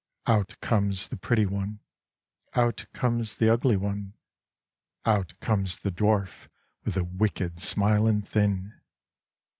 Out comes the pretty one, Out comes the ugly one. Out comes the dwarf with the wicked smile and thin.